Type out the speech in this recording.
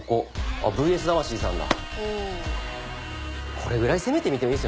これぐらい攻めてみてもいいですよね。